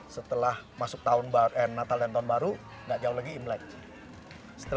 setelah masuk natal dan tahun baru tidak jauh lagi imlek